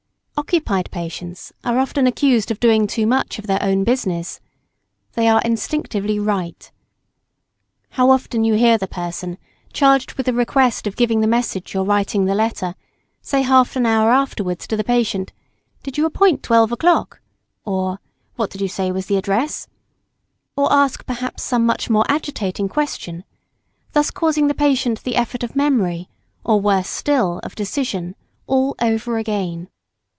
Occupied patients are often accused of doing too much of their own business. They are instinctively right. How often you hear the person, charged with the request of giving the message or writing the letter, say half an hour afterwards to the patient, "Did you appoint 12 o'clock?" or, "What did you say was the address?" or ask perhaps some much more agitating question thus causing the patient the effort of memory, or worse still, of decision, all over again.